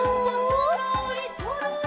「そろーりそろり」